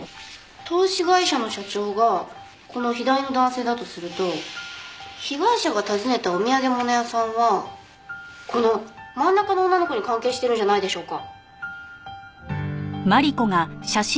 投資会社の社長がこの左の男性だとすると被害者が訪ねたお土産物屋さんはこの真ん中の女の子に関係してるんじゃないでしょうか。